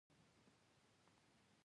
کمیټه له پنځو تر اوو غړي لري.